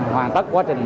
hoàn tất quá trình